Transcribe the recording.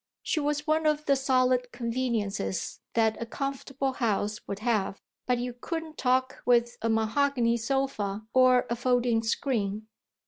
She was one of the solid conveniences that a comfortable house would have, but you couldn't talk with a mahogany sofa or a folding screen.